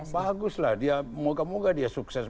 bagus lah moga moga dia sukses